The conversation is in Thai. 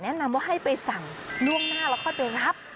แนะนำว่าให้ไปสั่งล่วงหน้าแล้วค่อยไปรับ